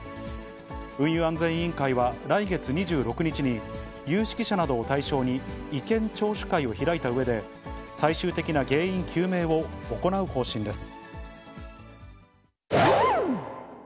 運輸安全委員会は来月２６日に、有識者などを対象に、意見聴取会を開いたうえで、最終的な原因究明を行う方針です。